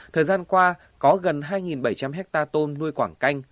thời gian qua có gần hai bảy trăm linh hectare tôm nuôi quảng canh